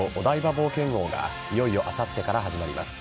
冒険王がいよいよあさってから始まります。